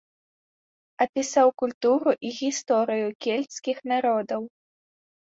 Апісаў культуру і гісторыю кельцкіх народаў.